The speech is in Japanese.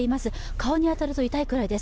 顔に当たると痛いくらいです。